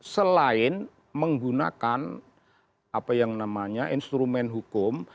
selain menggunakan apa yang namanya instrumen hukum